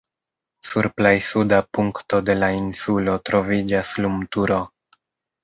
Sur plej suda punkto de la insulo troviĝas lumturo.